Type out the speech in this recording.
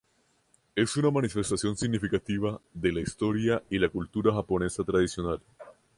Es una manifestación significativa de la historia y la cultura japonesa tradicional.